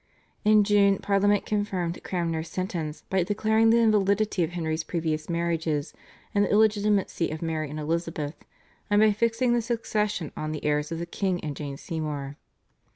In June Parliament confirmed Cranmer's sentence by declaring the invalidity of Henry's previous marriages, and the illegitimacy of Mary and Elizabeth, and by fixing the succession on the heirs of the king and Jane Seymour.